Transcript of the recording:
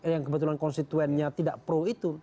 yang kebetulan konstituennya tidak pro itu